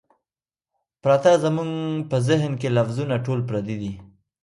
پراتۀ زمونږ پۀ ذهن کښې لفظونه ټول پردي دي